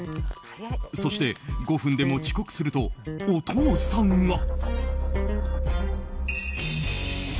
そして、５分でも遅刻するとお父さんが。